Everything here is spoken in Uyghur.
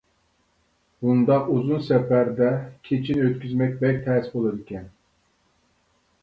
بۇنداق ئۇزۇن سەپەردە كېچىنى ئۆتكۈزمەك بەك تەس بولىدىكەن.